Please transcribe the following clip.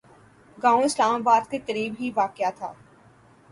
گاؤں اسلام آباد کے قریب ہی واقع تھا